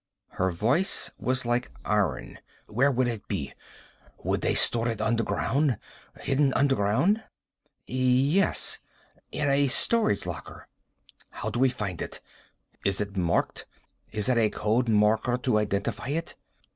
Her voice was like iron. "Where would it be? Would they store it underground? Hidden underground?" "Yes. In a storage locker." "How do we find it? Is it marked? Is there a code marker to identify it?"